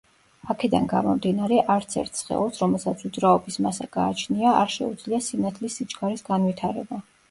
აქედან გამომდინარე, არც ერთ სხეულს, რომელსაც უძრაობის მასა გააჩნია, არ შეუძლია სინათლის სიჩქარის განვითარება.